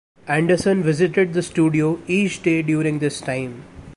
Anderson visited the studio each day during this time.